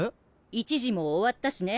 １次も終わったしね。